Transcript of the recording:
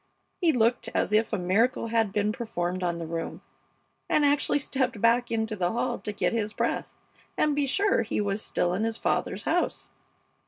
He looked as if a miracle had been performed on the room, and actually stepped back into the hall to get his breath and be sure he was still in his father's house.